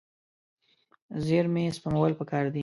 زیرمې سپمول پکار دي.